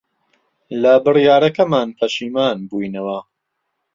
لە بڕیارەکەمان پەشیمان بووینەوە.